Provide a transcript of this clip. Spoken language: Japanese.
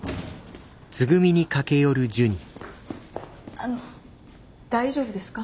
あの大丈夫ですか？